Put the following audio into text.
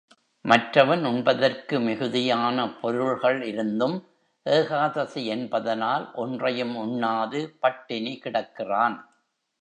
மற்றவன் உண்பதற்கு மிகுதியான பொருள்கள் இருந்தும், ஏகாதசி என்பதனால் ஒன்றையும் உண்ணாது பட்டினி கிடக்கிறான்.